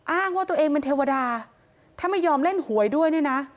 อ้างว่าตัวเองเป็นเทวดาถ้าไม่ยอมเล่นหวยด้วยเนี่ยนะ